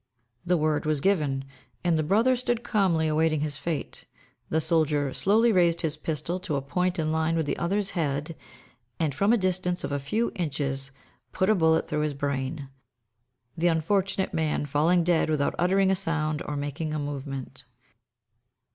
The word was given, and the brother stood calmly awaiting his fate. The soldier slowly raised his pistol to a point in line with the other's head, and, from a distance of a few inches, put a bullet through his brain, the unfortunate man falling dead without uttering a sound or making a movement.